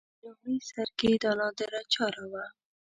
په لومړي سر کې دا نادره چاره وه